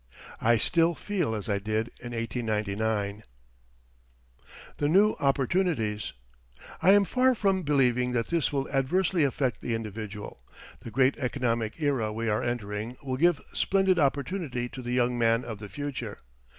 I still feel as I did in 1899. THE NEW OPPORTUNITIES I am far from believing that this will adversely affect the individual. The great economic era we are entering will give splendid opportunity to the young man of the future.